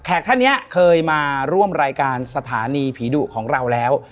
ท่านนี้เคยมาร่วมรายการสถานีผีดุของเราแล้ว